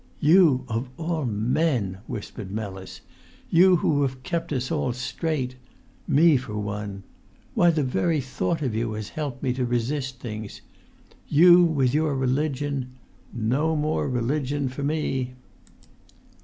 "You, of all men!" whispered Mellis. "You who have kept us all straight—me for one. Why, the very thought of you has helped me to resist things! You, with your religion: no more religion for me!"